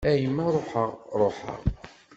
A yemma ruḥeɣ ruḥeɣ.